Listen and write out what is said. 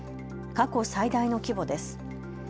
過去最大の規模です。